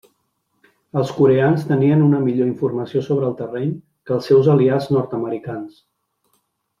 Els coreans tenien una millor informació sobre el terreny, que els seus aliats nord-americans.